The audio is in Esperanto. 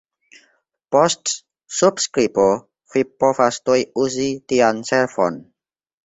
Post subskribo vi povas tuj uzi tian servon.